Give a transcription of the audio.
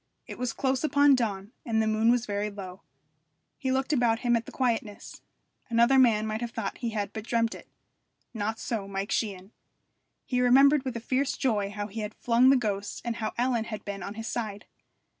It was close upon dawn, and the moon was very low. He looked about him at the quietness. Another man might have thought he had but dreamt it; not so Mike Sheehan. He remembered with a fierce joy how he had flung the ghost and how Ellen had been on his side.